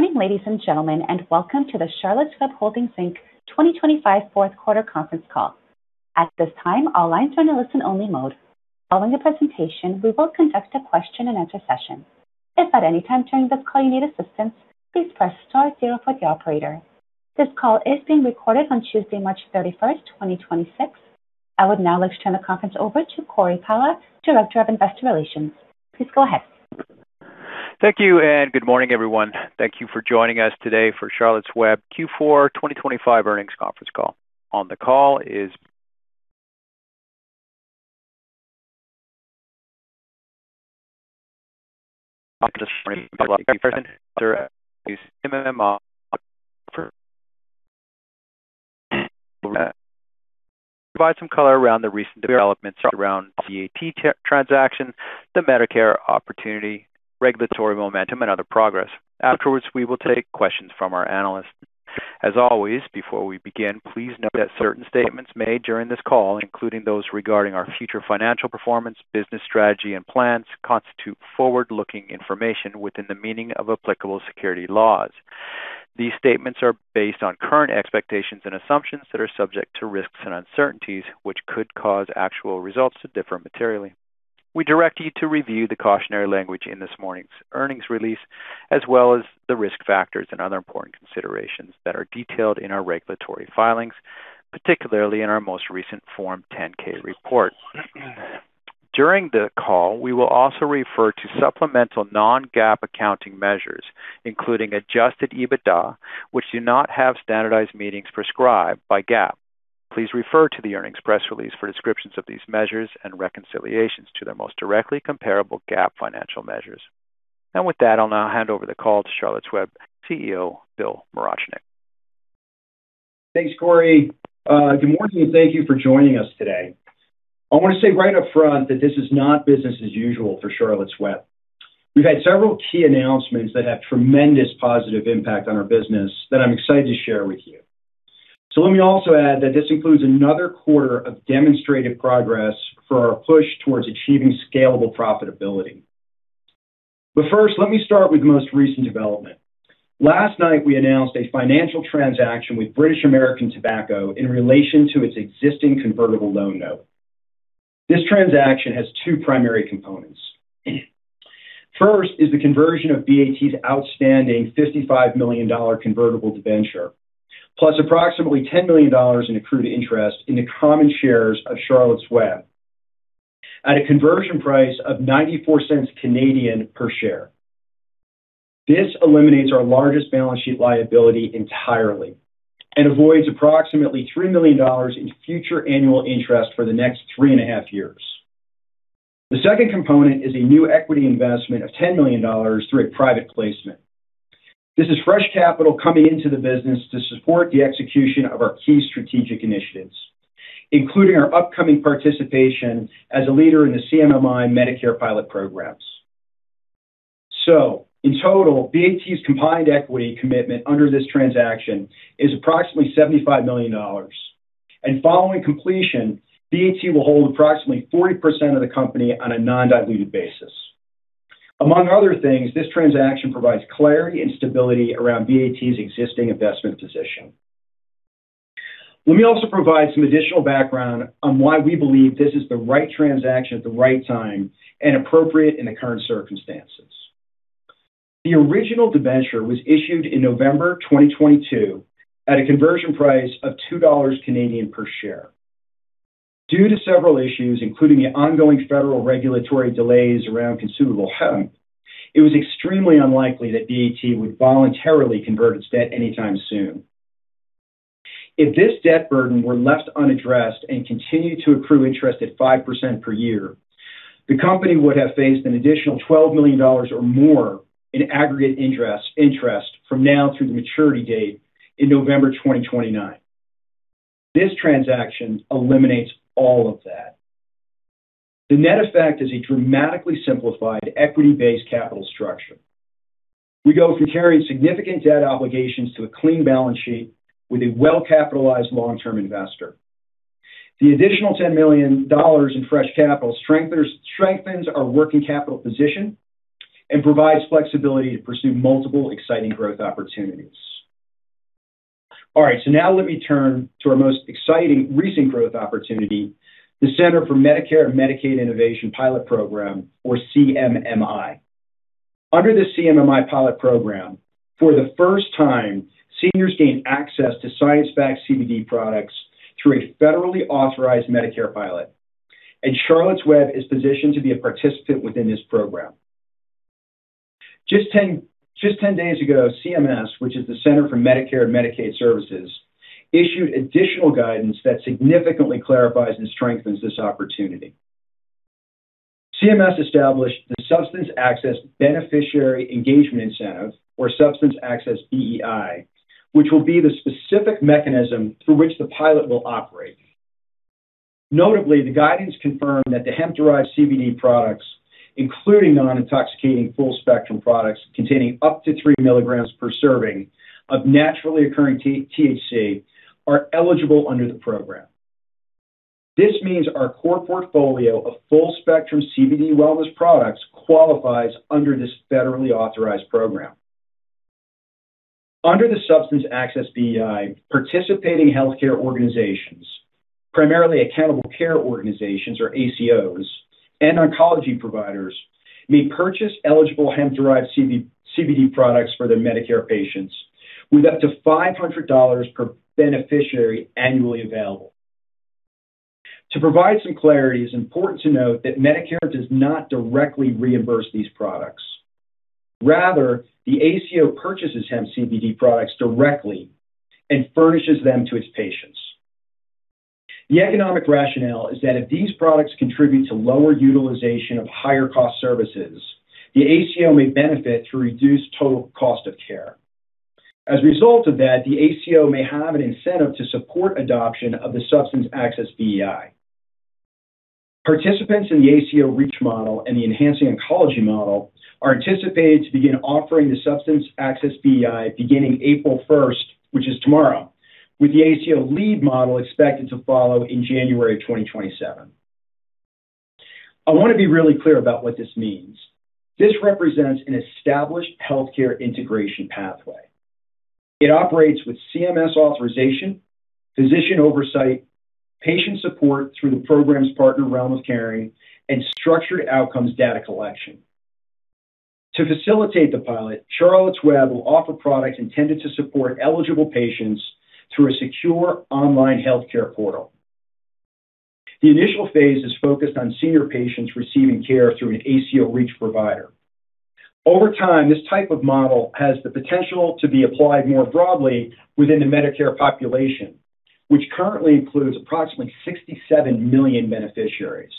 Good morning, ladies and gentlemen, and welcome to the Charlotte's Web Holdings, Inc. 2025 fourth quarter conference call. At this time, all lines are in a listen-only mode. Following the presentation, we will conduct a question-and-answer session. If at any time during this call you need assistance, please press star zero for the operator. This call is being recorded on Tuesday, March 31st 2026. I would now like to turn the conference over to Cory Pala, Director of Investor Relations. Please go ahead. Thank you, and good morning, everyone. Thank you for joining us today for Charlotte's Web Q4 2025 earnings conference call. On the call provide some color around the recent developments around the BAT transaction, the Medicare opportunity, regulatory momentum, and other progress. Afterwards, we will take questions from our analysts. As always, before we begin, please note that certain statements made during this call, including those regarding our future financial performance, business strategy, and plans, constitute forward-looking information within the meaning of applicable securities laws. These statements are based on current expectations and assumptions that are subject to risks and uncertainties, which could cause actual results to differ materially. We direct you to review the cautionary language in this morning's earnings release, as well as the risk factors and other important considerations that are detailed in our regulatory filings, particularly in our most recent Form 10-K report. During the call, we will also refer to supplemental non-GAAP accounting measures, including adjusted EBITDA, which do not have standardized meanings prescribed by GAAP. Please refer to the earnings press release for descriptions of these measures and reconciliations to their most directly comparable GAAP financial measures. With that, I'll hand over the call to Charlotte's Web CEO, Bill Morachnick. Thanks, Cory. Good morning, and thank you for joining us today. I wanna say right up front that this is not business as usual for Charlotte's Web. We've had several key announcements that have tremendous positive impact on our business that I'm excited to share with you. Let me also add that this includes another quarter of demonstrated progress for our push towards achieving scalable profitability. First, let me start with the most recent development. Last night, we announced a financial transaction with British American Tobacco in relation to its existing convertible loan note. This transaction has two primary components. First is the conversion of BAT's outstanding $55 million Convertible Debenture, plus approximately $10 million in accrued interest, in the common shares of Charlotte's Web at a conversion price of 0.94 per share. This eliminates our largest balance sheet liability entirely and avoids approximately $3 million in future annual interest for the next three and a half years. The second component is a new equity investment of $10 million through a private placement. This is fresh capital coming into the business to support the execution of our key strategic initiatives, including our upcoming participation as a leader in the CMMI Medicare pilot programs. In total, BAT's combined equity commitment under this transaction is approximately $75 million. Following completion, BAT will hold approximately 40% of the company on a non-diluted basis. Among other things, this transaction provides clarity and stability around BAT's existing investment position. Let me also provide some additional background on why we believe this is the right transaction at the right time and appropriate in the current circumstances. The original debenture was issued in November 2022 at a conversion price of 2 Canadian dollars per share. Due to several issues, including the ongoing federal regulatory delays around consumable hemp, it was extremely unlikely that BAT would voluntarily convert its debt anytime soon. If this debt burden were left unaddressed and continued to accrue interest at 5% per year, the company would have faced an additional $12 million or more in aggregate interest from now through the maturity date in November 2029. This transaction eliminates all of that. The net effect is a dramatically simplified equity-based capital structure. We go from carrying significant debt obligations to a clean balance sheet with a well-capitalized long-term investor. The additional $10 million in fresh capital strengthens our working capital position and provides flexibility to pursue multiple exciting growth opportunities. All right. Now let me turn to our most exciting recent growth opportunity, the Center for Medicare and Medicaid Innovation Pilot Program, or CMMI. Under the CMMI pilot program, for the first time, seniors gain access to science-backed CBD products through a federally authorized Medicare pilot, and Charlotte's Web is positioned to be a participant within this program. Just 10 days ago, CMS, which is the Centers for Medicare & Medicaid Services, issued additional guidance that significantly clarifies and strengthens this opportunity. CMS established the Substance Access Beneficiary Engagement Incentive, or Substance Access BEI, which will be the specific mechanism through which the pilot will operate. Notably, the guidance confirmed that the hemp-derived CBD products, including non-intoxicating full-spectrum products containing up to 3 mg per serving of naturally occurring THC, are eligible under the program. This means our core portfolio of full-spectrum CBD wellness products qualifies under this federally authorized program. Under the Substance Access BEI, participating healthcare organizations, primarily Accountable Care Organizations, or ACOs, and oncology providers, may purchase eligible hemp-derived CBD products for their Medicare patients, with up to $500 per beneficiary annually available. To provide some clarity, it's important to note that Medicare does not directly reimburse these products. Rather, the ACO purchases hemp CBD products directly and furnishes them to its patients. The economic rationale is that if these products contribute to lower utilization of higher-cost services, the ACO may benefit through reduced total cost of care. As a result of that, the ACO may have an incentive to support adoption of the Substance Access BEI. Participants in the ACO REACH Model and the Enhancing Oncology Model are anticipated to begin offering the Substance Access BEI beginning April 1st, which is tomorrow, with the ACO LEAD Model expected to follow in January 2027. I wanna be really clear about what this means. This represents an established healthcare integration pathway. It operates with CMS authorization, physician oversight, patient support through the program's partner, Realm of Caring, and structured outcomes data collection. To facilitate the pilot, Charlotte's Web will offer products intended to support eligible patients through a secure online healthcare portal. The initial phase is focused on senior patients receiving care through an ACO REACH provider. Over time, this type of model has the potential to be applied more broadly within the Medicare population, which currently includes approximately 67 million beneficiaries.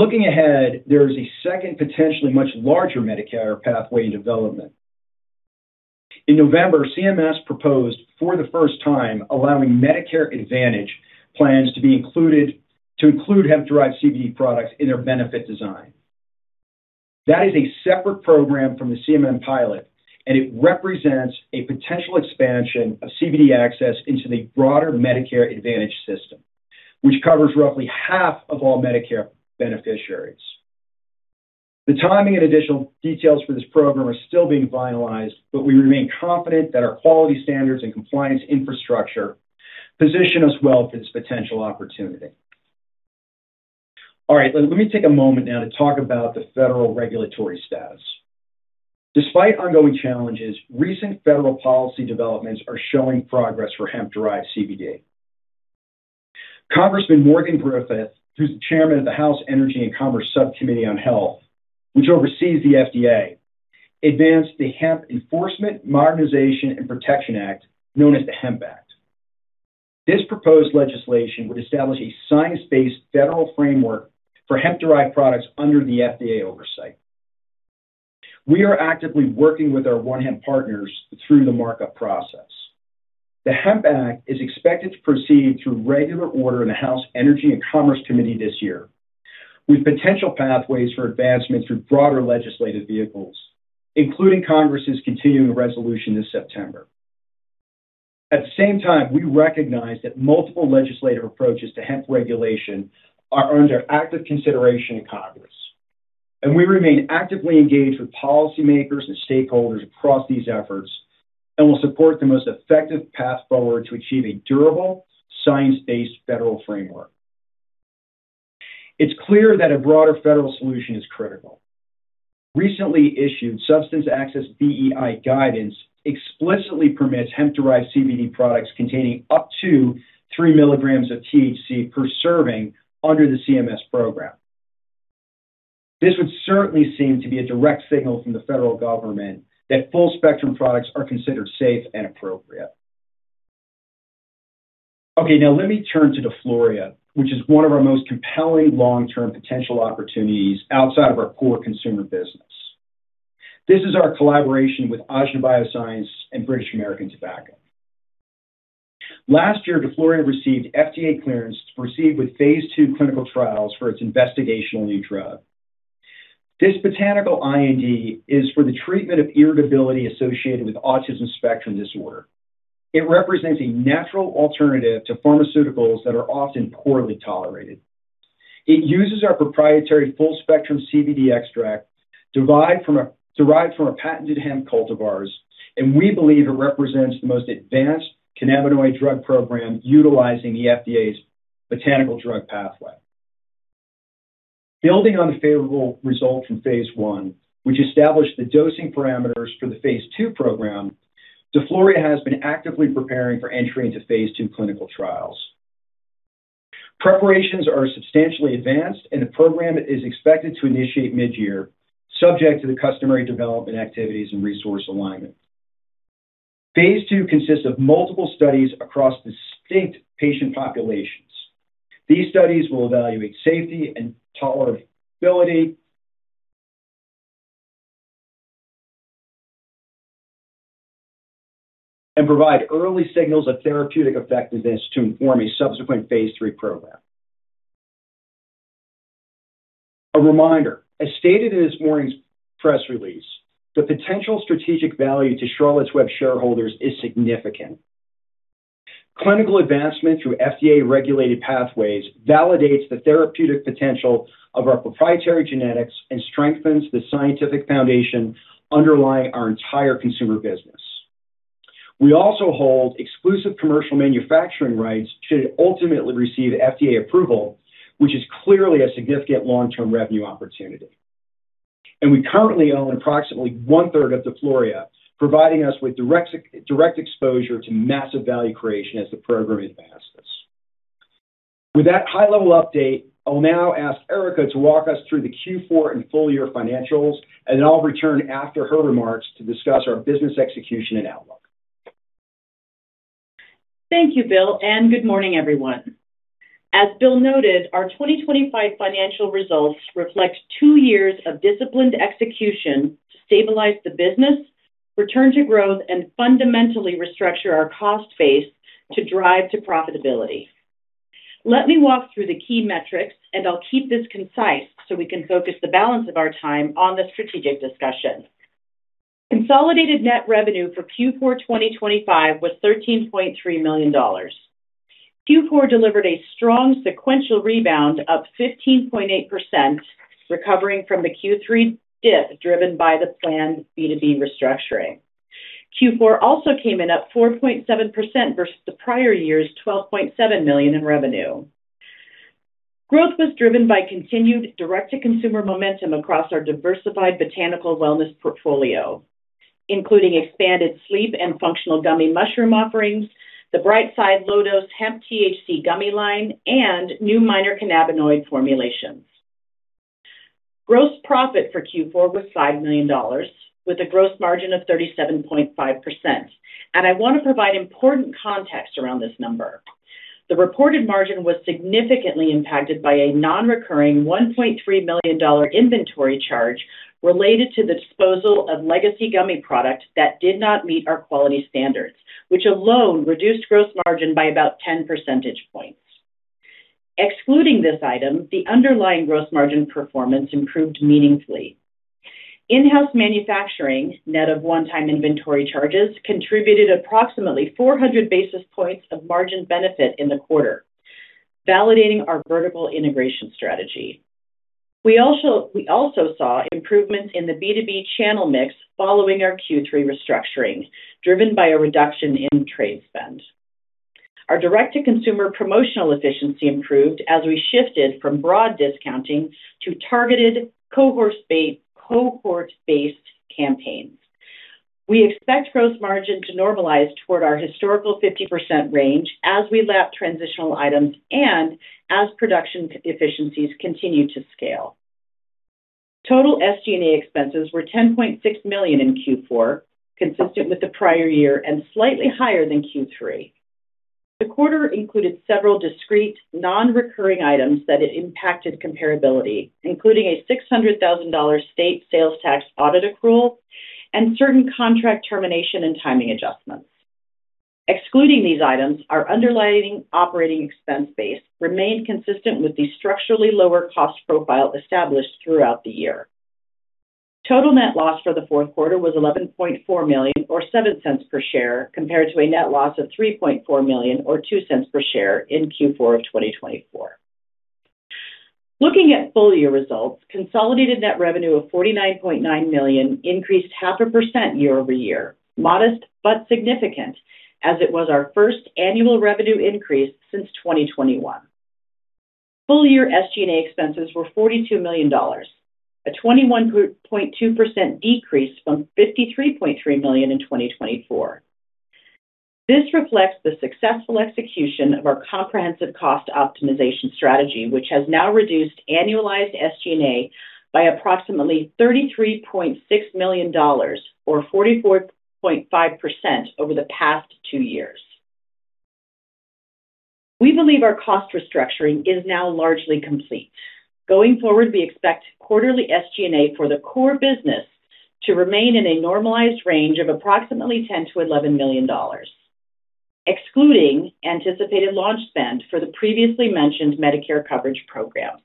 Looking ahead, there is a second, potentially much larger Medicare pathway in development. In November, CMS proposed for the first time allowing Medicare Advantage plans to include hemp-derived CBD products in their benefit design. That is a separate program from the CMMI pilot, and it represents a potential expansion of CBD access into the broader Medicare Advantage system, which covers roughly half of all Medicare beneficiaries. The timing and additional details for this program are still being finalized, but we remain confident that our quality standards and compliance infrastructure position us well for this potential opportunity. All right, let me take a moment now to talk about the federal regulatory status. Despite ongoing challenges, recent federal policy developments are showing progress for hemp-derived CBD. Congressman Morgan Griffith, who's the Chairman of the House Energy and Commerce Subcommittee on Health, which oversees the FDA, advanced the Hemp Enforcement, Modernization, and Protection Act, known as the HEMP Act. This proposed legislation would establish a science-based federal framework for hemp-derived products under the FDA oversight. We are actively working with our ONE HEMP partners through the markup process. The Hemp Act is expected to proceed through regular order in the House Energy and Commerce Committee this year, with potential pathways for advancement through broader legislative vehicles, including Congress's continuing resolution this September. At the same time, we recognize that multiple legislative approaches to hemp regulation are under active consideration in Congress, and we remain actively engaged with policymakers and stakeholders across these efforts and will support the most effective path forward to achieve a durable, science-based federal framework. It's clear that a broader federal solution is critical. Recently issued Substance Access BEI guidance explicitly permits hemp-derived CBD products containing up to 3 mg of THC per serving under the CMS program. This would certainly seem to be a direct signal from the federal government that full-spectrum products are considered safe and appropriate. Okay. Now let me turn to DeFloria, which is one of our most compelling long-term potential opportunities outside of our core consumer business. This is our collaboration with Ajna BioSciences and British American Tobacco. Last year, DeFloria received FDA clearance to proceed with phase II clinical trials for its investigational new drug. This botanical IND is for the treatment of irritability associated with autism spectrum disorder. It represents a natural alternative to pharmaceuticals that are often poorly tolerated. It uses our proprietary full-spectrum CBD extract, derived from our patented hemp cultivars, and we believe it represents the most advanced cannabinoid drug program utilizing the FDA's botanical drug pathway. Building on the favorable results from phase I, which established the dosing parameters for the phase II program, DeFloria has been actively preparing for entry into phase II clinical trials. Preparations are substantially advanced, and the program is expected to initiate mid-year, subject to the customary development activities and resource alignment. Phase II consists of multiple studies across distinct patient populations. These studies will evaluate safety and tolerability and provide early signals of therapeutic effectiveness to inform a subsequent phase III program. A reminder, as stated in this morning's press release, the potential strategic value to Charlotte's Web shareholders is significant. Clinical advancement through FDA-regulated pathways validates the therapeutic potential of our proprietary genetics and strengthens the scientific foundation underlying our entire consumer business. We also hold exclusive commercial manufacturing rights should it ultimately receive FDA approval, which is clearly a significant long-term revenue opportunity. We currently own approximately 1/3 of DeFloria, providing us with direct exposure to massive value creation as the program advances. With that high-level update, I'll now ask Erica to walk us through the Q4 and full year financials, and then I'll return after her remarks to discuss our business execution and outlook. Thank you, Bill, and good morning, everyone. As Bill noted, our 2025 financial results reflect two years of disciplined execution to stabilize the business, return to growth, and fundamentally restructure our cost base to drive to profitability. Let me walk through the key metrics, and I'll keep this concise so we can focus the balance of our time on the strategic discussion. Consolidated net revenue for Q4 2025 was $13.3 million. Q4 delivered a strong sequential rebound up 15.8%, recovering from the Q3 dip driven by the planned B2B restructuring. Q4 also came in up 4.7% versus the prior year's $12.7 million in revenue. Growth was driven by continued direct-to-consumer momentum across our diversified botanical wellness portfolio, including expanded sleep and functional mushroom gummies offerings, the Brightside low-dose hemp THC gummy line, and new minor cannabinoid formulations. Gross profit for Q4 was $5 million with a gross margin of 37.5%, and I want to provide important context around this number. The reported margin was significantly impacted by a non-recurring $1.3 million inventory charge related to the disposal of legacy gummy product that did not meet our quality standards, which alone reduced gross margin by about 10 percentage points. Excluding this item, the underlying gross margin performance improved meaningfully. In-house manufacturing, net of one-time inventory charges, contributed approximately 400 basis points of margin benefit in the quarter, validating our vertical integration strategy. We also saw improvements in the B2B channel mix following our Q3 restructuring, driven by a reduction in trade spend. Our direct-to-consumer promotional efficiency improved as we shifted from broad discounting to targeted cohort-based campaigns. We expect gross margin to normalize toward our historical 50% range as we lap transitional items and as production efficiencies continue to scale. Total SG&A expenses were $10.6 million in Q4, consistent with the prior year and slightly higher than Q3. The quarter included several discrete non-recurring items that had impacted comparability, including a $600,000 state sales tax audit accrual and certain contract termination and timing adjustments. Excluding these items, our underlying operating expense base remained consistent with the structurally lower cost profile established throughout the year. Total net loss for the fourth quarter was $11.4 million or $0.07 per share, compared to a net loss of $3.4 million or $0.02 per share in Q4 of 2024. Looking at full-year results, consolidated net revenue of $49.9 million increased 0.5% year-over-year, modest but significant as it was our first annual revenue increase since 2021. Full-year SG&A expenses were $42 million, a 21.2% decrease from $53.3 million in 2024. This reflects the successful execution of our comprehensive cost optimization strategy, which has now reduced annualized SG&A by approximately $33.6 million or 44.5% over the past two years. We believe our cost restructuring is now largely complete. Going forward, we expect quarterly SG&A for the core business to remain in a normalized range of approximately $10 million-$11 million, excluding anticipated launch spend for the previously mentioned Medicare coverage program.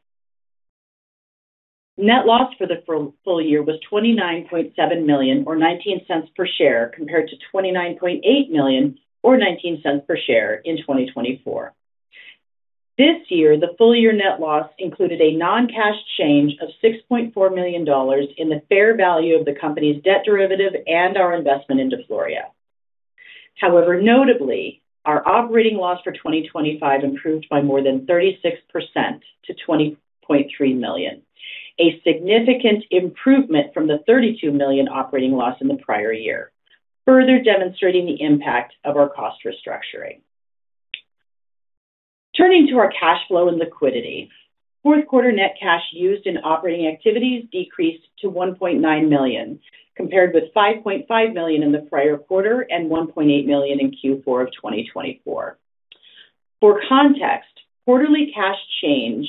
Net loss for the full year was $29.7 million or $0.19 per share, compared to $29.8 million or $0.19 per share in 2024. This year, the full-year net loss included a non-cash change of $6.4 million in the fair value of the company's debt derivative and our investment in DeFloria. However, notably, our operating loss for 2025 improved by more than 36% to $20.3 million, a significant improvement from the $32 million operating loss in the prior year, further demonstrating the impact of our cost restructuring. Turning to our cash flow and liquidity. Fourth quarter net cash used in operating activities decreased to $1.9 million, compared with $5.5 million in the prior quarter and $1.8 million in Q4 of 2024. For context, quarterly cash change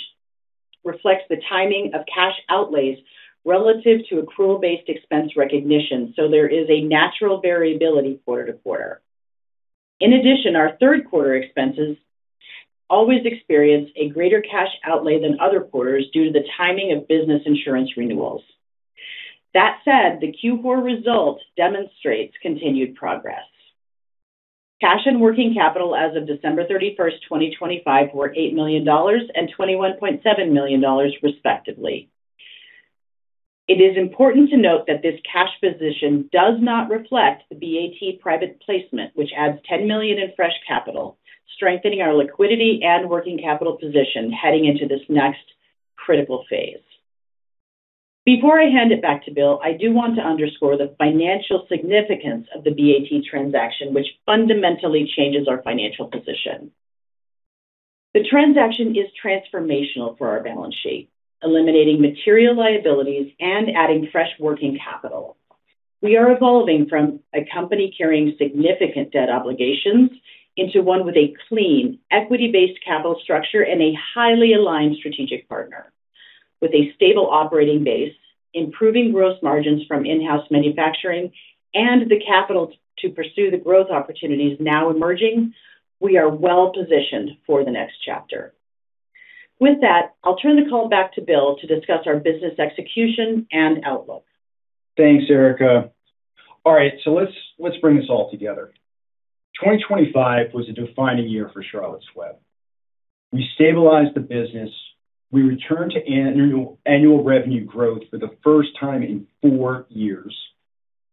reflects the timing of cash outlays relative to accrual-based expense recognition, so there is a natural variability quarter to quarter. In addition, our third quarter expenses always experience a greater cash outlay than other quarters due to the timing of business insurance renewals. That said, the Q4 result demonstrates continued progress. Cash and working capital as of December 31st 2025 were $8 million and $21.7 million, respectively. It is important to note that this cash position does not reflect the BAT private placement, which adds $10 million in fresh capital, strengthening our liquidity and working capital position heading into this next critical phase. Before I hand it back to Bill, I do want to underscore the financial significance of the BAT transaction, which fundamentally changes our financial position. The transaction is transformational for our balance sheet, eliminating material liabilities and adding fresh working capital. We are evolving from a company carrying significant debt obligations into one with a clean, equity-based capital structure and a highly aligned strategic partner. With a stable operating base, improving gross margins from in-house manufacturing and the capital to pursue the growth opportunities now emerging, we are well-positioned for the next chapter. With that, I'll turn the call back to Bill to discuss our business execution and outlook. Thanks, Erica. All right, so let's bring this all together. 2025 was a defining year for Charlotte's Web. We stabilized the business. We returned to annual revenue growth for the first time in four years,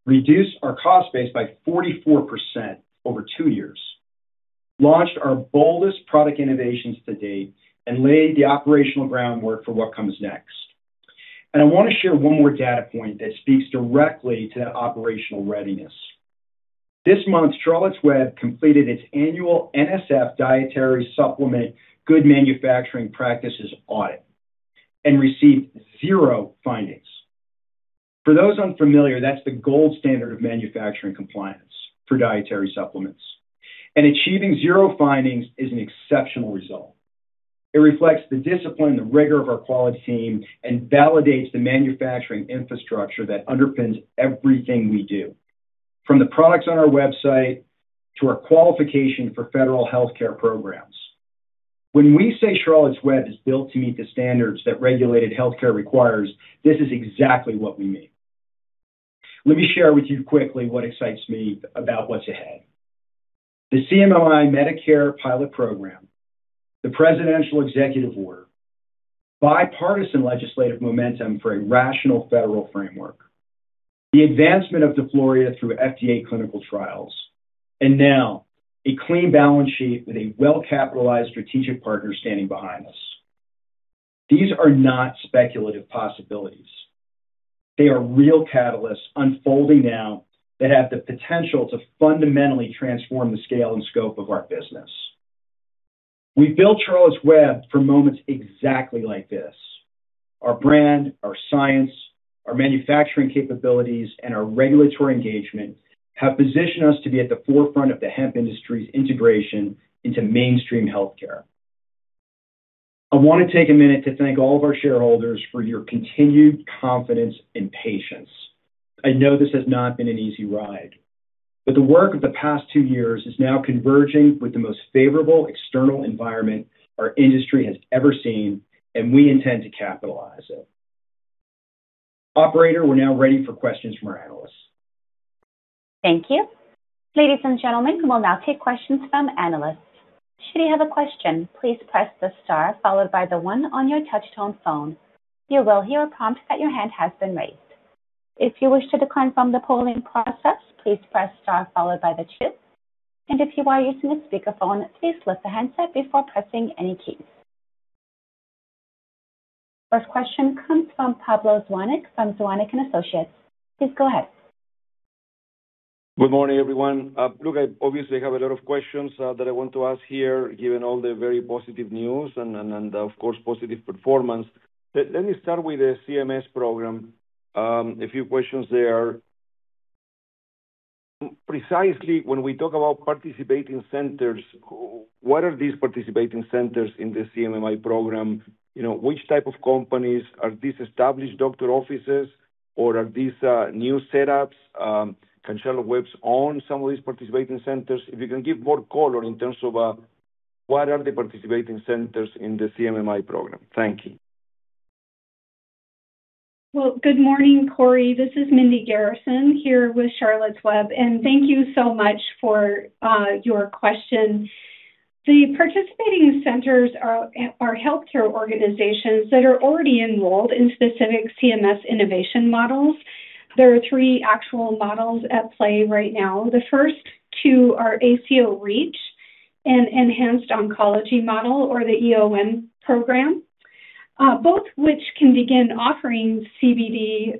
reduced our cost base by 44% over two years, launched our boldest product innovations to date, and laid the operational groundwork for what comes next. I wanna share one more data point that speaks directly to that operational readiness. This month, Charlotte's Web completed its annual NSF Dietary Supplement Good Manufacturing Practices audit and received zero findings. For those unfamiliar, that's the gold standard of manufacturing compliance for dietary supplements, and achieving zero findings is an exceptional result. It reflects the discipline, the rigor of our quality team, and validates the manufacturing infrastructure that underpins everything we do, from the products on our website to our qualification for federal healthcare programs. When we say Charlotte's Web is built to meet the standards that regulated healthcare requires, this is exactly what we mean. Let me share with you quickly what excites me about what's ahead. The CMMI Medicare pilot program, the presidential executive order, bipartisan legislative momentum for a rational federal framework, the advancement of DeFloria through FDA clinical trials, and now a clean balance sheet with a well-capitalized strategic partner standing behind us. These are not speculative possibilities. They are real catalysts unfolding now that have the potential to fundamentally transform the scale and scope of our business. We built Charlotte's Web for moments exactly like this. Our brand, our science, our manufacturing capabilities, and our regulatory engagement have positioned us to be at the forefront of the hemp industry's integration into mainstream healthcare. I wanna take a minute to thank all of our shareholders for your continued confidence and patience. I know this has not been an easy ride, but the work of the past two years is now converging with the most favorable external environment our industry has ever seen, and we intend to capitalize it. Operator, we're now ready for questions from our analysts. Thank you. Ladies and gentlemen, we will now take questions from analysts. Should you have a question, please press the star followed by the one on your touch-tone phone. You will hear a prompt that your hand has been raised. If you wish to decline from the polling process, please press star followed by the two. If you are using a speakerphone, please lift the handset before pressing any keys. First question comes from Pablo Zuanic from Zuanic & Associates. Please go ahead. Good morning, everyone. Look, I obviously have a lot of questions that I want to ask here, given all the very positive news and, of course, positive performance. Let me start with the CMS program. A few questions there. Precisely when we talk about participating centers, what are these participating centers in the CMMI program? You know, which type of companies? Are these established doctor offices, or are these new setups? Can Charlotte's Web own some of these participating centers? If you can give more color in terms of what are the participating centers in the CMMI program. Thank you. Well, good morning, Cory. This is Mindy Garrison here with Charlotte's Web, and thank you so much for your question. The participating centers are healthcare organizations that are already enrolled in specific CMS innovation models. There are three actual models at play right now. The first two are ACO REACH and Enhancing Oncology Model, or the EOM program, both which can begin offering CBD,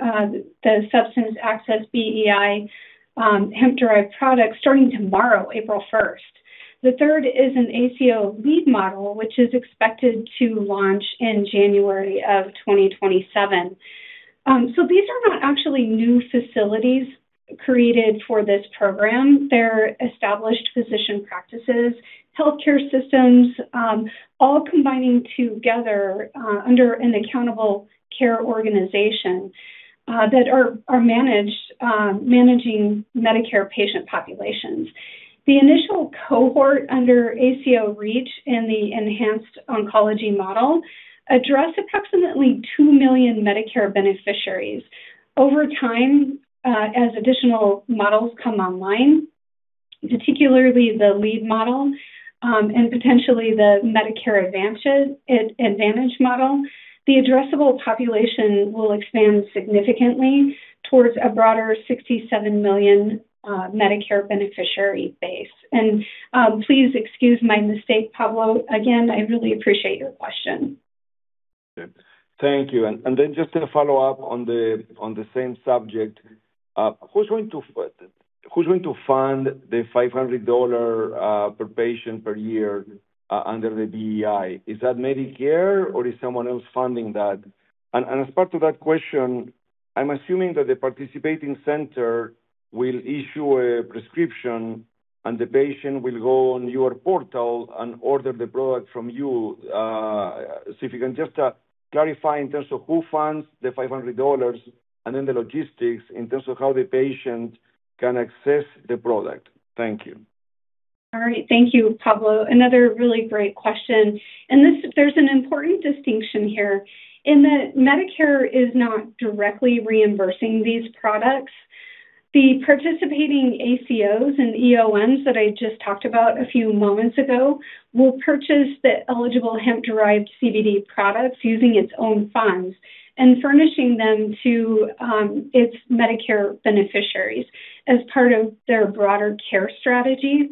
the Substance Access BEI, hemp-derived products starting tomorrow, April 1st. The third is a LEAD Model, which is expected to launch in January 2027. These are not actually new facilities created for this program. They're established physician practices, healthcare systems, all combining together under an accountable care organization that are managed, managing Medicare patient populations. The initial cohort under ACO REACH and the Enhancing Oncology Model address approximately 2 million Medicare beneficiaries. Over time, as additional models come online, particularly the LEAD Model, and potentially the Medicare Advantage model, the addressable population will expand significantly towards a broader 67 million Medicare beneficiary base. Please excuse my mistake, Pablo. Again, I really appreciate your question. Thank you. Just to follow up on the same subject, who's going to fund the $500 per patient per year under the BEI? Is that Medicare or is someone else funding that? As part of that question, I'm assuming that the participating center will issue a prescription and the patient will go on your portal and order the product from you. If you can just clarify in terms of who funds the $500 and then the logistics in terms of how the patient can access the product. Thank you. All right. Thank you, Pablo. Another really great question. This, there's an important distinction here in that Medicare is not directly reimbursing these products. The participating ACOs and EOMs that I just talked about a few moments ago will purchase the eligible hemp-derived CBD products using its own funds and furnishing them to its Medicare beneficiaries as part of their broader care strategy.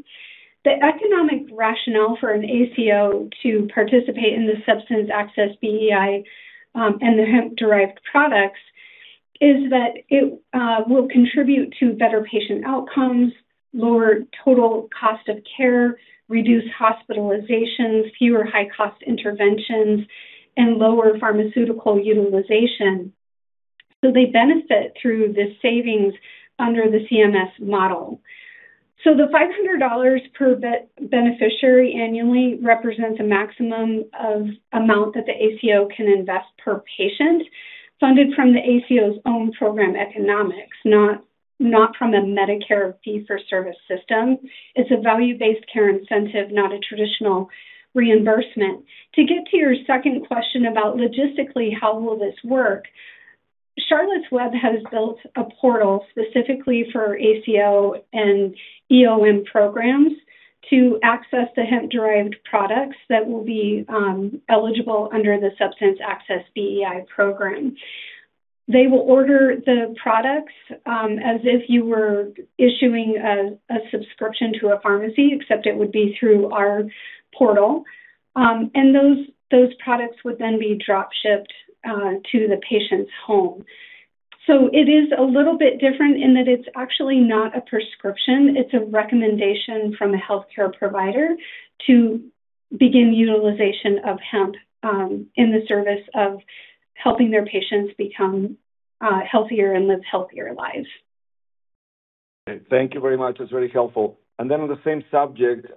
The economic rationale for an ACO to participate in the Substance Access BEI and the hemp-derived products is that it will contribute to better patient outcomes, lower total cost of care, reduced hospitalizations, fewer high-cost interventions, and lower pharmaceutical utilization. They benefit through the savings under the CMS model. The $500 per beneficiary annually represents a maximum amount that the ACO can invest per patient, funded from the ACO's own program economics, not from a Medicare fee-for-service system. It's a value-based care incentive, not a traditional reimbursement. To get to your second question about logistically how will this work, Charlotte's Web has built a portal specifically for ACO and EOM programs to access the hemp-derived products that will be eligible under the Substance Access BEI program. They will order the products as if you were issuing a subscription to a pharmacy, except it would be through our portal. Those products would then be drop-shipped to the patient's home. It is a little bit different in that it's actually not a prescription, it's a recommendation from a healthcare provider to begin utilization of hemp, in the service of helping their patients become healthier and live healthier lives. Thank you very much. That's very helpful. Then on the same subject,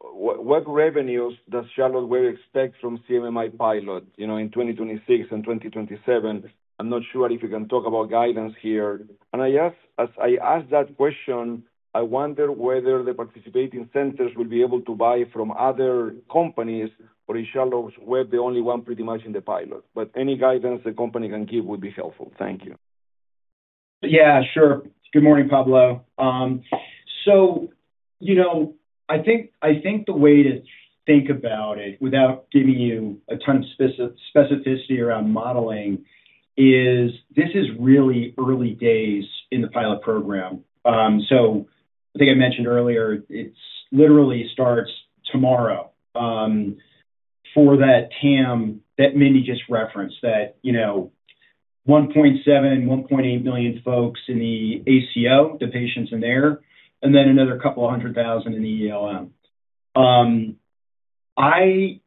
what revenues does Charlotte's Web expect from CMMI pilot, you know, in 2026 and 2027? I'm not sure if you can talk about guidance here. As I ask that question, I wonder whether the participating centers will be able to buy from other companies or is Charlotte's Web the only one pretty much in the pilot? Any guidance the company can give would be helpful. Thank you. Yeah, sure. Good morning, Pablo. I think the way to think about it without giving you a ton of specificity around modeling is this is really early days in the pilot program. I think I mentioned earlier it's literally starts tomorrow, for that TAM that Mindy just referenced, 1.7 million-1.8 million folks in the ACO, the patients in there, and then another 200,000 in the EOM. I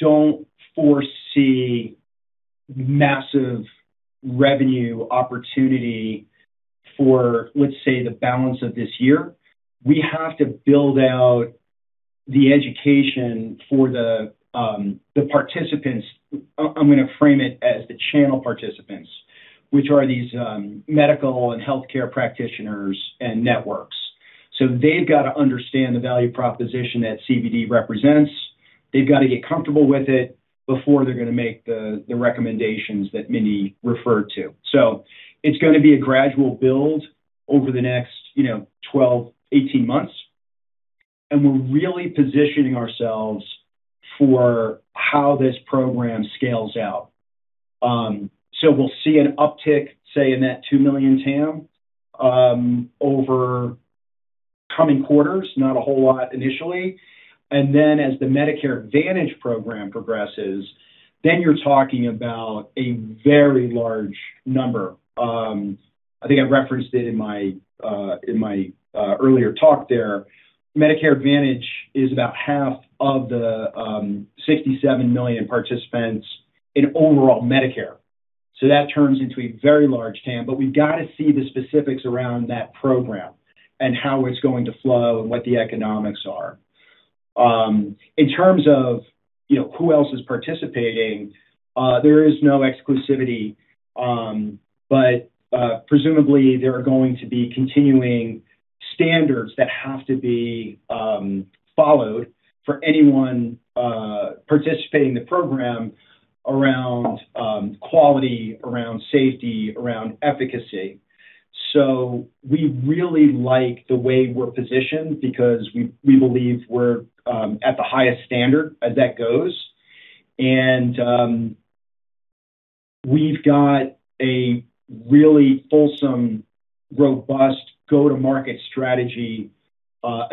don't foresee massive revenue opportunity for, let's say, the balance of this year. We have to build out the education for the participants. I'm gonna frame it as the channel participants, which are these medical and healthcare practitioners and networks. They've got to understand the value proposition that CBD represents. They've got to get comfortable with it before they're gonna make the recommendations that Mindy referred to. It's gonna be a gradual build over the next, you know, 12-18 months, and we're really positioning ourselves for how this program scales out. We'll see an uptick, say, in that $2 million TAM over coming quarters, not a whole lot initially. Then as the Medicare Advantage program progresses, then you're talking about a very large number. I think I referenced it in my earlier talk there. Medicare Advantage is about half of the 67 million participants in overall Medicare. That turns into a very large TAM, but we've got to see the specifics around that program and how it's going to flow and what the economics are. In terms of, you know, who else is participating, there is no exclusivity. But presumably there are going to be continuing standards that have to be followed for anyone participating in the program around quality, around safety, around efficacy. We really like the way we're positioned because we believe we're at the highest standard as that goes. We've got a really fulsome, robust go-to-market strategy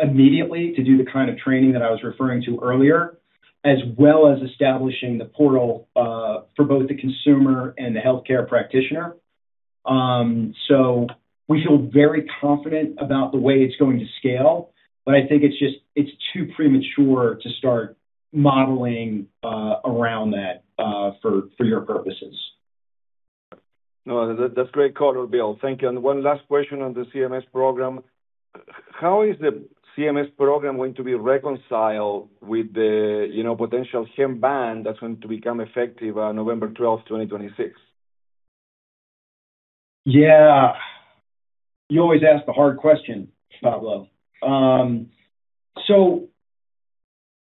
immediately to do the kind of training that I was referring to earlier, as well as establishing the portal for both the consumer and the healthcare practitioner. We feel very confident about the way it's going to scale. I think it's too premature to start modeling around that for your purposes. No, that's great color, Bill. Thank you. One last question on the CMS program. How is the CMS program going to be reconciled with the, you know, potential hemp ban that's going to become effective on November 12, 2026? Yeah. You always ask the hard question, Pablo.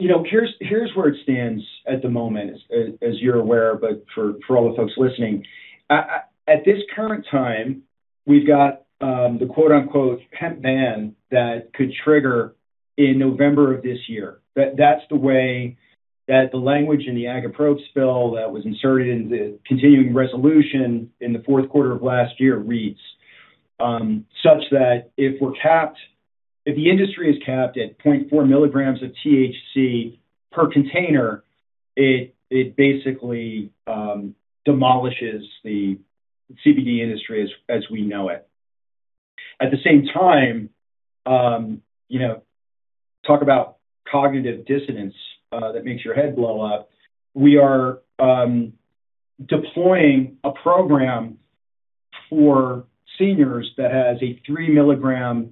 You know, here's where it stands at the moment, as you're aware, but for all the folks listening. At this current time, we've got the quote unquote, "hemp ban" that could trigger in November of this year. That's the way that the language in the Ag Approps bill that was inserted into the continuing resolution in the fourth quarter of last year reads, such that if the industry is capped at 0.4 mg of THC per container, it basically demolishes the CBD industry as we know it. At the same time, you know, talk about cognitive dissonance, that makes your head blow up. We are deploying a program for seniors that has a 3 mg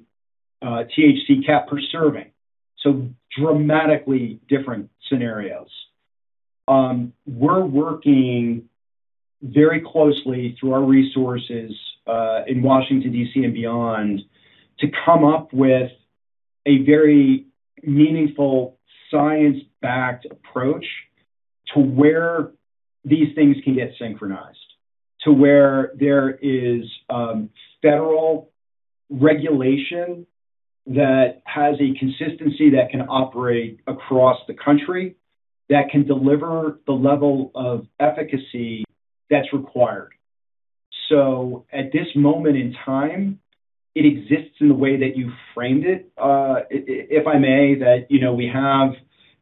THC cap per serving, so dramatically different scenarios. We're working very closely through our resources in Washington, D.C. and beyond to come up with a very meaningful science-backed approach to where these things can get synchronized, to where there is federal regulation that has a consistency that can operate across the country, that can deliver the level of efficacy that's required. At this moment in time, it exists in the way that you framed it. If I may, you know, we have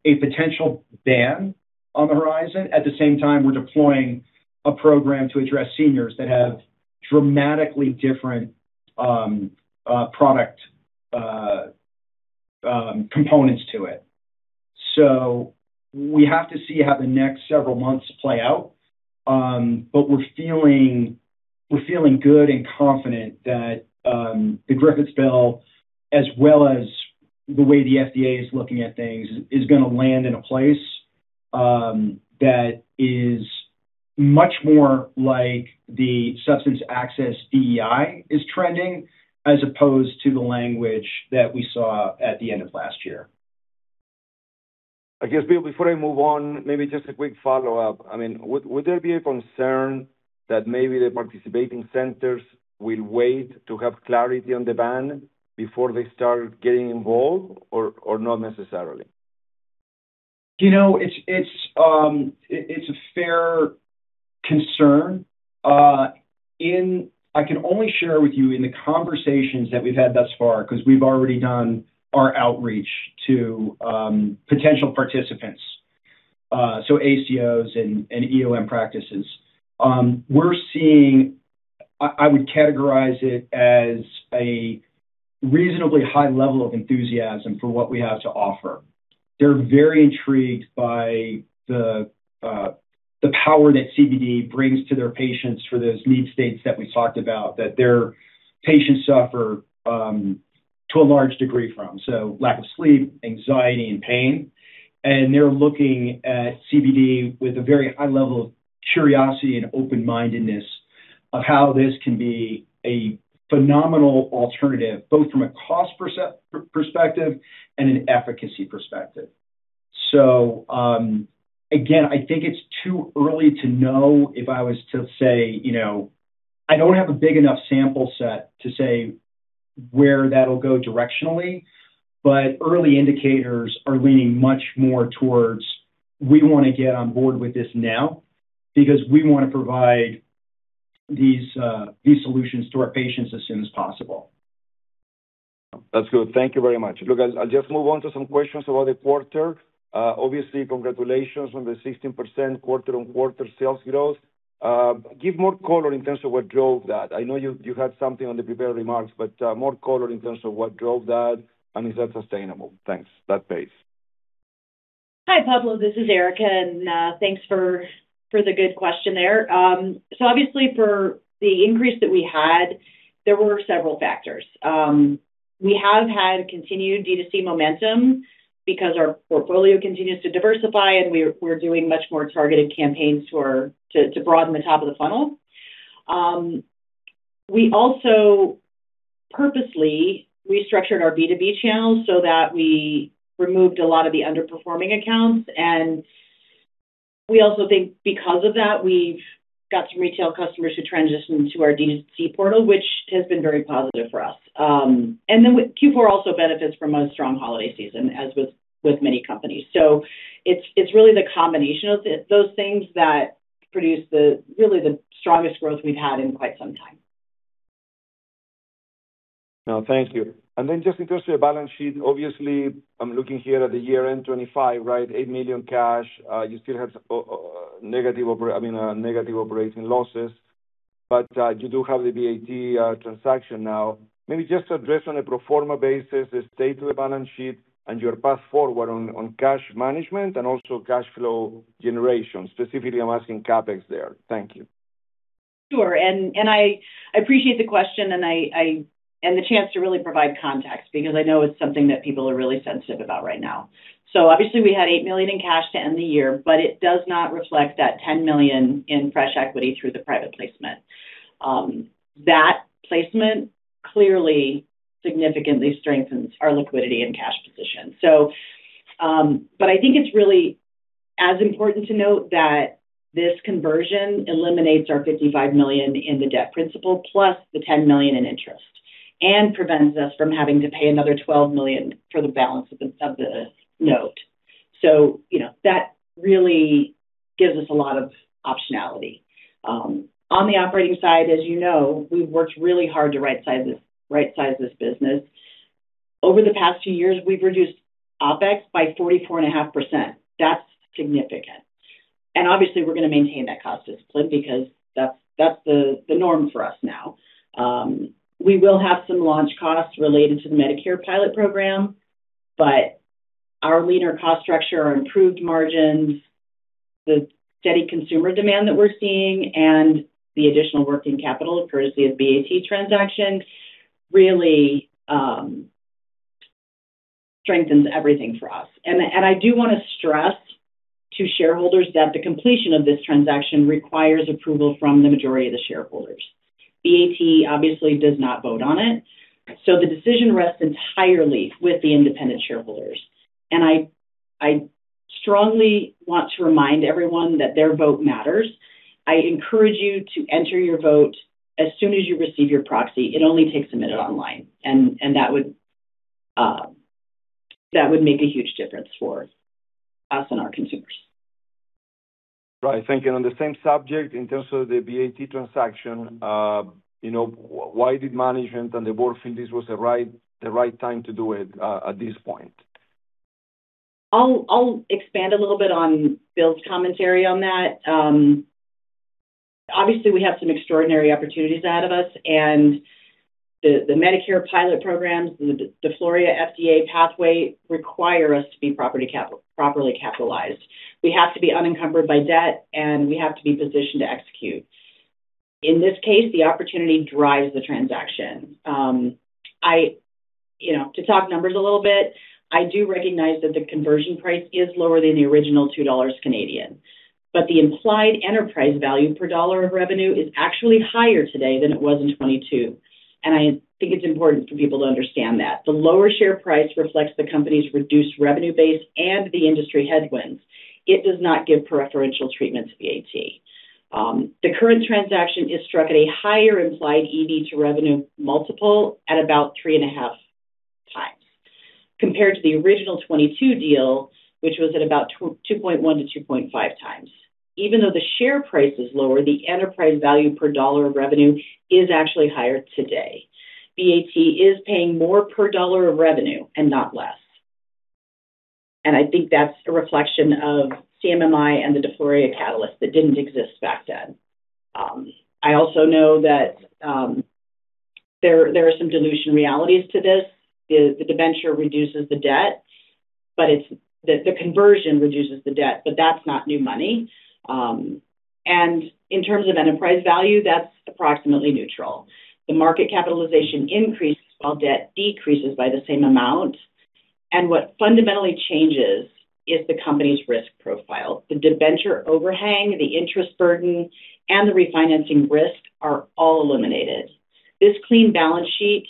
a potential ban on the horizon. At the same time, we're deploying a program to address seniors that have dramatically different product components to it. We have to see how the next several months play out. We're feeling good and confident that the Griffith bill, as well as the way the FDA is looking at things, is gonna land in a place that is much more like the Substance Access BEI is trending, as opposed to the language that we saw at the end of last year. I guess, Bill, before I move on, maybe just a quick follow-up. I mean, would there be a concern that maybe the participating centers will wait to have clarity on the ban before they start getting involved or not necessarily? You know, it's a fair concern. I can only share with you in the conversations that we've had thus far, 'cause we've already done our outreach to potential participants, so ACOs and EOM practices. I would categorize it as a reasonably high level of enthusiasm for what we have to offer. They're very intrigued by the power that CBD brings to their patients for those lead states that we talked about, that their patients suffer to a large degree from. Lack of sleep, anxiety, and pain. They're looking at CBD with a very high level of curiosity and open-mindedness of how this can be a phenomenal alternative, both from a cost perspective and an efficacy perspective. Again, I think it's too early to know if I was to say, you know, I don't have a big enough sample set to say where that'll go directionally, but early indicators are leaning much more towards, We wanna get on board with this now because we wanna provide these solutions to our patients as soon as possible. That's good. Thank you very much. Look, I'll just move on to some questions about the quarter. Obviously, congratulations on the 16% quarter-on-quarter sales growth. Give more color in terms of what drove that. I know you had something on the prepared remarks, but more color in terms of what drove that, and is that sustainable? Thanks. [That pace]. Hi, Pablo, this is Erica, thanks for the good question there. Obviously, for the increase that we had, there were several factors. We have had continued D2C momentum because our portfolio continues to diversify, and we're doing much more targeted campaigns to broaden the top of the funnel. We also purposely restructured our B2B channels so that we removed a lot of the underperforming accounts. We also think because of that, we've got some retail customers who transitioned to our D2C portal, which has been very positive for us. Q4 also benefits from a strong holiday season, as with many companies. It's really the combination of those things that produce really the strongest growth we've had in quite some time. No, thank you. Just in terms of your balance sheet, obviously I'm looking here at the year-end 2025, right, $8 million cash. You still have some negative operating losses. You do have the BAT transaction now. Maybe just address on a pro forma basis the state of the balance sheet and your path forward on cash management and also cash flow generation. Specifically, I'm asking CapEx there. Thank you. Sure. I appreciate the question and the chance to really provide context because I know it's something that people are really sensitive about right now. Obviously we had $8 million in cash to end the year, but it does not reflect that $10 million in fresh equity through the private placement. That placement clearly significantly strengthens our liquidity and cash position. I think it's really as important to note that this conversion eliminates our $55 million in the debt principal, plus the $10 million in interest, and prevents us from having to pay another $12 million for the balance of the note. You know, that really gives us a lot of optionality. On the operating side, as you know, we've worked really hard to right size this business. Over the past two years, we've reduced OpEx by 44.5%. That's significant. Obviously we're gonna maintain that cost discipline because that's the norm for us now. We will have some launch costs related to the Medicare pilot program, but our leaner cost structure, our improved margins, the steady consumer demand that we're seeing, and the additional working capital courtesy of BAT transaction really strengthens everything for us. I do wanna stress to shareholders that the completion of this transaction requires approval from the majority of the shareholders. BAT obviously does not vote on it, so the decision rests entirely with the independent shareholders. I strongly want to remind everyone that their vote matters. I encourage you to enter your vote as soon as you receive your proxy. It only takes a minute online, and that would make a huge difference for us and our consumers. Right. Thank you. On the same subject, in terms of the BAT transaction, you know, why did management and the Board feel this was the right time to do it, at this point? I'll expand a little bit on Bill's commentary on that. Obviously we have some extraordinary opportunities ahead of us and the Medicare pilot programs, the DeFloria FDA pathway require us to be properly capitalized. We have to be unencumbered by debt, and we have to be positioned to execute. In this case, the opportunity drives the transaction. You know, to talk numbers a little bit, I do recognize that the conversion price is lower than the original 2 Canadian dollars, but the implied enterprise value per dollar of revenue is actually higher today than it was in 2022, and I think it's important for people to understand that. The lower share price reflects the company's reduced revenue base and the industry headwinds. It does not give preferential treatment to BAT. The current transaction is struck at a higher implied EV-to-revenue multiple at about 3.5x compared to the original 2022 deal, which was at about 2.1x-2.5x. Even though the share price is lower, the enterprise value per dollar of revenue is actually higher today. BAT is paying more per dollar of revenue and not less. I think that's a reflection of CMMI and the DeFloria catalyst that didn't exist back then. I also know that there are some dilution realities to this. The debenture reduces the debt, but the conversion reduces the debt, but that's not new money. In terms of enterprise value, that's approximately neutral. The market capitalization increases while debt decreases by the same amount. What fundamentally changes is the company's risk profile. The debenture overhang, the interest burden, and the refinancing risk are all eliminated. This clean balance sheet,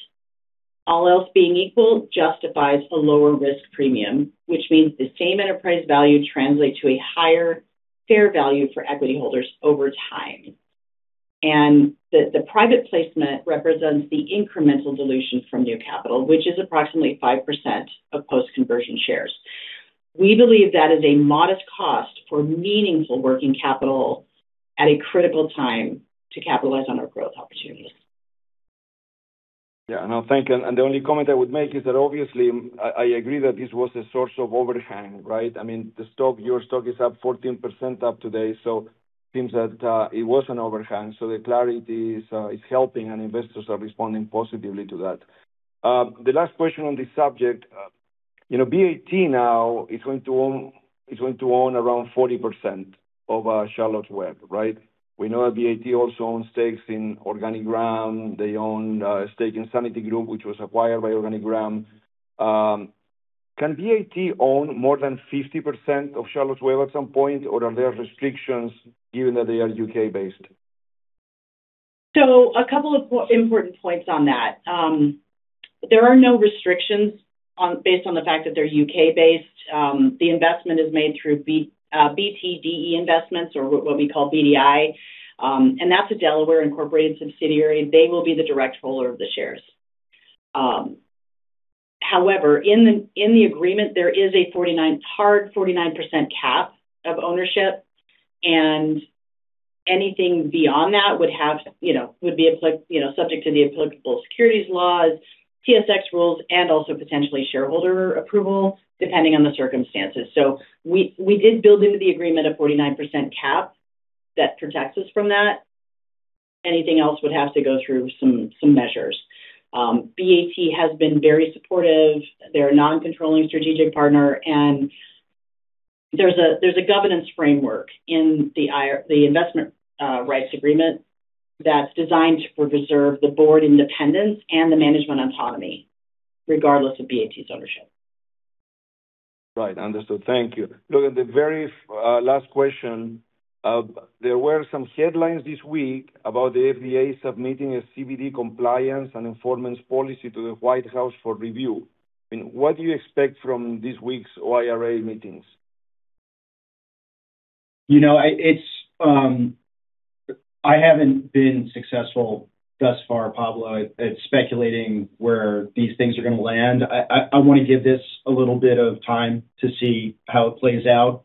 all else being equal, justifies a lower risk premium, which means the same enterprise value translates to a higher fair value for equity holders over time. The private placement represents the incremental dilution from new capital, which is approximately 5% of post-conversion shares. We believe that is a modest cost for meaningful working capital at a critical time to capitalize on our growth opportunities. Yeah. No, thank you. The only comment I would make is that obviously I agree that this was a source of overhang, right? I mean, the stock, your stock is up 14% today, so it seems that it was an overhang. The clarity is helping and investors are responding positively to that. The last question on this subject. You know, BAT now is going to own around 40% of Charlotte's Web, right? We know BAT also owns stakes in Organigram. They own a stake in Sanity Group, which was acquired by Organigram. Can BAT own more than 50% of Charlotte's Web at some point, or are there restrictions given that they are U.K.-based? A couple of important points on that. There are no restrictions based on the fact that they're U.K.-based. The investment is made through BT DE Investments or what we call BDI. That's a Delaware-incorporated subsidiary. They will be the direct holder of the shares. However, in the agreement, there is a hard 49% cap of ownership, and anything beyond that would have, you know, would be subject to the applicable securities laws, TSX rules, and also potentially shareholder approval, depending on the circumstances. We did build into the agreement a 49% cap that protects us from that. Anything else would have to go through some measures. BAT has been very supportive. They're a non-controlling strategic partner, and there's a governance framework in the investment rights agreement that's designed to preserve the board independence and the management autonomy regardless of BAT's ownership. Right. Understood. Thank you. Look, the very last question. There were some headlines this week about the FDA submitting a CBD compliance and enforcement policy to the White House for review. What do you expect from this week's OIRA meetings? You know, it's I haven't been successful thus far, Pablo, at speculating where these things are gonna land. I wanna give this a little bit of time to see how it plays out.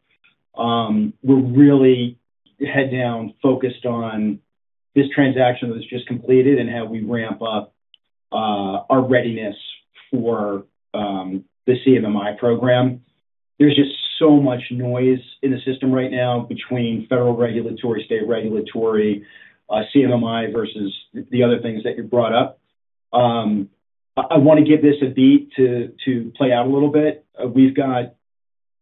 We're really heads down, focused on this transaction that was just completed and how we ramp up our readiness for the CMMI program. There's just so much noise in the system right now between federal regulatory, state regulatory, CMMI versus the other things that you brought up. I wanna give this a beat to play out a little bit. We've got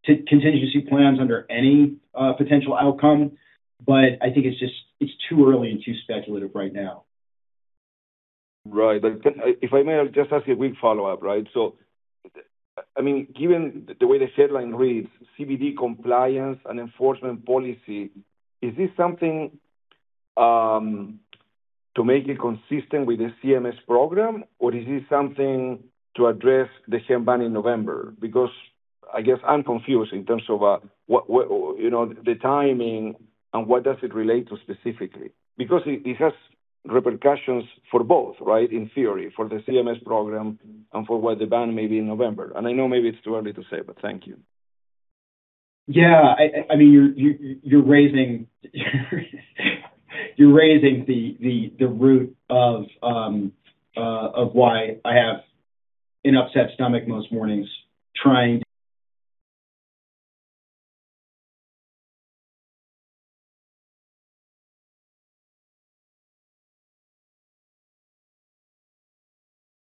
contingency plans under any potential outcome, but I think it's just too early and too speculative right now. Right. If I may, I'll just ask a quick follow-up, right? I mean, given the way the headline reads, CBD compliance and enforcement policy, is this something to make it consistent with the CMS program, or is this something to address the ban in November? Because I guess I'm confused in terms of what you know the timing and what does it relate to specifically. Because it has repercussions for both, right? In theory, for the CMS program and for when the ban may be in November. I know maybe it's too early to say, but thank you. Yeah. I mean, you're raising the root of why I have an upset stomach most mornings trying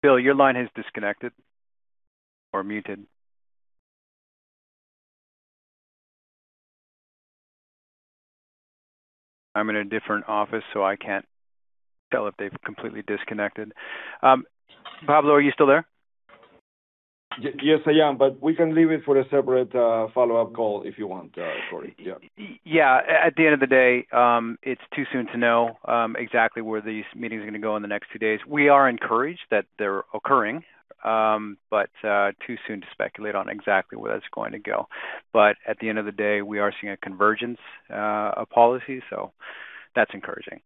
to- Bill, your line has disconnected or muted. I'm in a different office, so I can't tell if they've completely disconnected. Pablo, are you still there? Yes, I am, but we can leave it for a separate, follow-up call if you want, Cory. Yeah. Yeah. At the end of the day, it's too soon to know exactly where these meetings are gonna go in the next few days. We are encouraged that they're occurring, but too soon to speculate on exactly where that's going to go. At the end of the day, we are seeing a convergence of policy, so that's encouraging.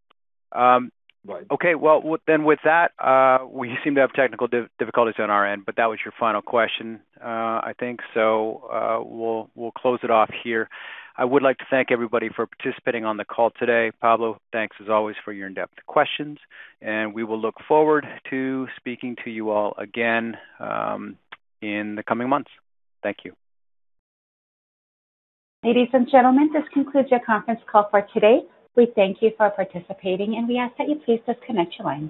Right. Okay. Well, then with that, we seem to have technical difficulties on our end, but that was your final question, I think. We'll close it off here. I would like to thank everybody for participating on the call today. Pablo, thanks as always for your in-depth questions, and we will look forward to speaking to you all again in the coming months. Thank you. Ladies and gentlemen, this concludes your conference call for today. We thank you for participating, and we ask that you please disconnect your lines.